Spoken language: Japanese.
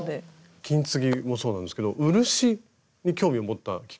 金継ぎもそうなんですけど漆に興味を持ったきっかけもあります？